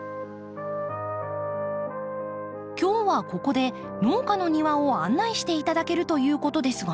今日はここで農家の庭を案内していただけるということですが。